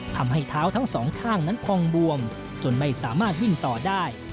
ทำให้เท้าทั้งสองข้างนั้นพองบวมจนไม่สามารถวิ่งต่อได้